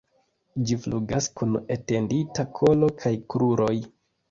Ĝi flugas kun etendita kolo kaj kruroj.